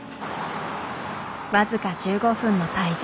僅か１５分の滞在。